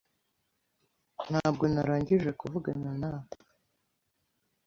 Ntabwo narangije kuvugana nawe.